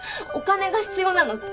お金が必要なの。